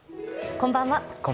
こんばんは。